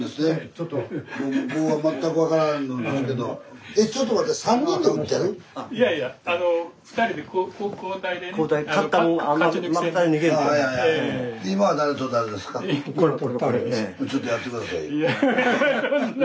ちょっとやって下さいよ。